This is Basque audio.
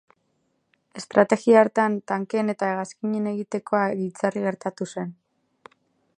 Estrategia hartan, tankeen eta hegazkinen egitekoa giltzarri gertatu zen.